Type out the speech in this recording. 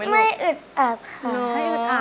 ไม่อึดอัดค่ะ